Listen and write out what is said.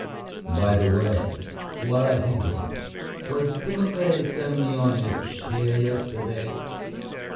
"By the way, while I think of it, was Timofey Semyonitch here yesterday?"